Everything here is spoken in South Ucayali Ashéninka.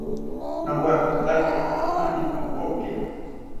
Nowakotakiri apani ompokiro